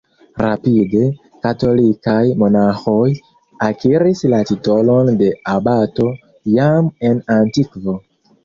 Rapide, katolikaj monaĥoj akiris la titolon de "abato", jam en antikvo.